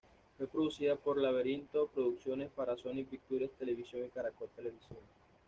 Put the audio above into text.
Fue producida por Laberinto Producciones para Sony Pictures Television y Caracol Televisión.